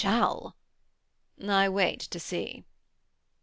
They shall.' 'I wait to see.'